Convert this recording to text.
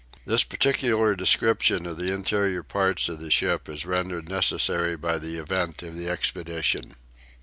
This particular description of the interior parts of the ship is rendered necessary by the event of the expedition.